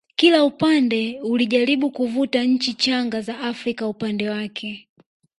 kila upande ulijaribu kuvuta nchi changa za Afrika upande wake